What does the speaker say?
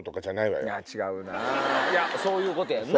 そういうことやんな？